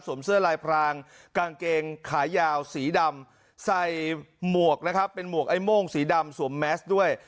สวมเสื้อลายพรางกางเกงขายาวสีดำใส่หมวกไหม้ม่วงสีดำสวมแมสด้วย